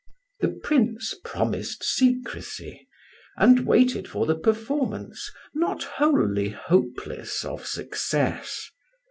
The Prince promised secrecy, and waited for the performance, not wholly hopeless of success.